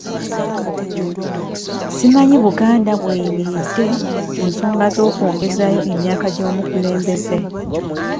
Simanyi Buganda w'eyimiridde ku nsonga z'okwongezaayo emyaka gy'omukulembeze.